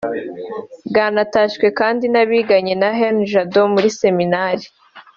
Bwanatashywe kandi n’abiganye na Henri Jado mu iseminari